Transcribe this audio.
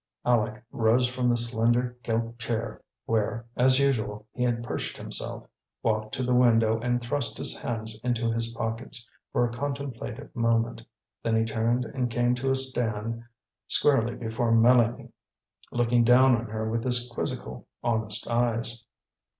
Aleck rose from the slender gilt chair where, as usual, he had perched himself, walked to the window and thrust his hands into his pockets for a contemplative moment, then he turned and came to a stand squarely before Mélanie, looking down on her with his quizzical, honest eyes.